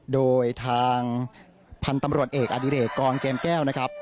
โดยทางพันธุ์ตำรวจเอกอดิเรกกรเกมแก้วนะครับ